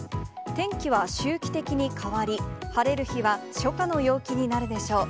天気は周期的に変わり、晴れる日は初夏の陽気になるでしょう。